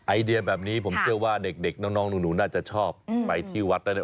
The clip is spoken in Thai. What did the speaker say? ไอเดียแบบนี้ผมเชื่อว่าเด็กน้องหนูน่าจะชอบไปที่วัดได้แน่